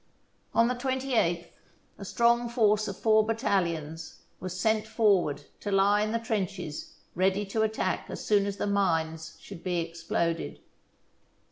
On the 28th a strong force of four battalions was sent forward to lie in the trenches ready to attack as soon as the mines should be exploded.